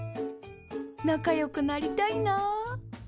仲よくなりたいなあ。